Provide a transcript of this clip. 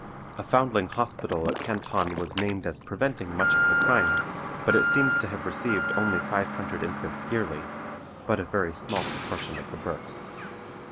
A foundling hospital at Canton was named as preventing much of the crime, but it seems to have received only five hundred infants yearly; but a very small proportion of the births.